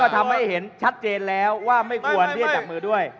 ก็ทำให้เห็นชัดเจนแล้วที่ไม่ควรเย็นจากมือด้วย